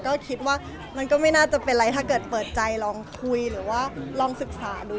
ก็คิดว่ามันก็ไม่น่าจะเป็นไรถ้าเกิดเปิดใจลองคุยหรือว่าลองศึกษาดู